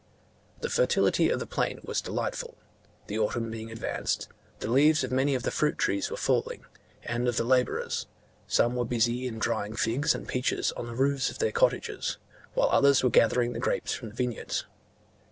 The fertility of the plain was delightful: the autumn being advanced, the leaves of many of the fruit trees were falling; and of the labourers, some were busy in drying figs and peaches on the roofs of their cottages, while others were gathering the grapes from the vineyards.